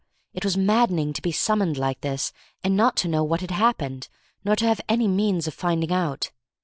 It was maddening to be summoned like this, and not to know what had happened, nor to have any means of finding out.